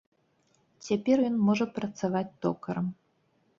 Цяпер ён можа працаваць токарам.